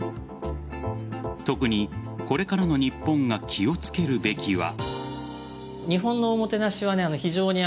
特に、これからの日本が気を付けるべきは。